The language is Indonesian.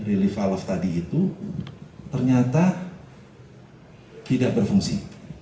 relief valve tadi itu ternyata tidak berfungsi